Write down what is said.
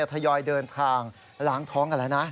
ทรยอยเดินทางหลังท้องอ่ะละนะ